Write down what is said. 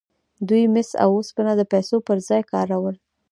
دوی مس او اوسپنه د پیسو پر ځای کارول.